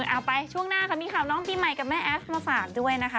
เอาไปช่วงหน้าค่ะมีข่าวน้องปีใหม่กับแม่แอฟมาฝากด้วยนะคะ